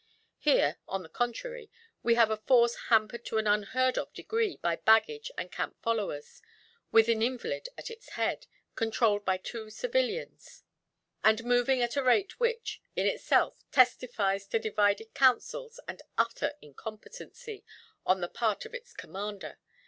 Here, on the contrary, we have a force hampered to an unheard of degree by baggage and camp followers; with an invalid at its head, controlled by two civilians; and moving at a rate which, in itself, testifies to divided councils and utter incompetency on the part of its commander.